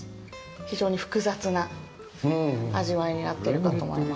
非常に複雑な味わいになってるかと思います。